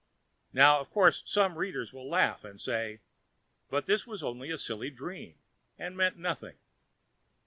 Now, of course, some readers will laugh and say, "But this was only a silly dream, and meant nothing."